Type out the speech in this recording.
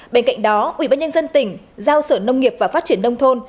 bên cạnh đó ủy ban nhân dân tỉnh giao sở nông nghiệp và phát triển nông thôn